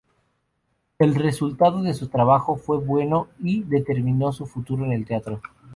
El resultado de su trabajo fue bueno, y determinó su futuro en el teatro.